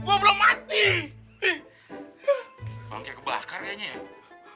gua belum mati di cuekin gini gimana sih lu nggak lihat gua nih